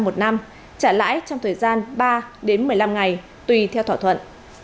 trả lãi trong thời gian ba một mươi năm ngày tùy theo thỏa thuận